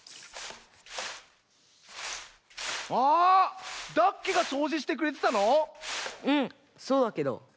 あダッケがそうじしてくれてたの⁉うんそうだけど。